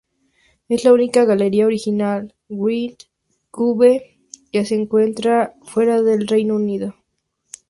Es la única galería original White Cube que se encuentra fuera del Reino Unido.